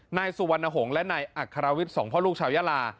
นายสุวรรณหงษ์และนายอัครวิทย์สองพ่อลูกชาวยาลา